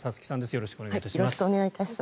よろしくお願いします。